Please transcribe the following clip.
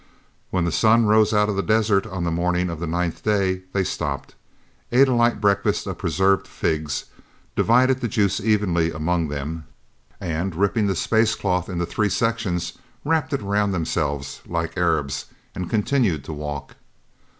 When the sun rose out of the desert on the morning of the ninth day, they stopped, ate a light breakfast of preserved figs, divided the juice evenly among them, and, ripping the space cloth into three sections, wrapped it around themselves like Arabs and continued to walk.